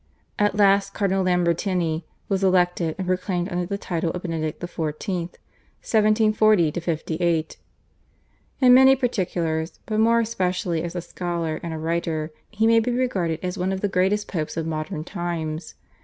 At last Cardinal Lambertini was elected and proclaimed under the title of Benedict XIV. (1740 58). In many particulars, but more especially as a scholar and a writer, he may be regarded as one of the greatest Popes of modern times.